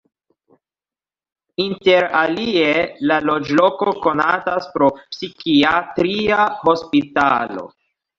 Inter alie la loĝloko konatas pro psikiatria hospitalo.